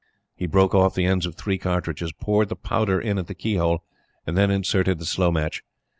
He broke off the ends of three cartridges, poured the powder in at the keyhole, and then inserted the slow match.